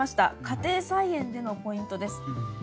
家庭菜園でのポイントです。